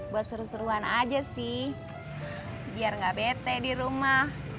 buat seru seruan aja sih biar nggak bete di rumah